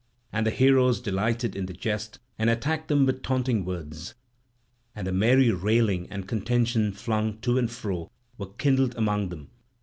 And the heroes delighted in the jest and attacked them with taunting words; and merry railing and contention flung to and fro were kindled among them.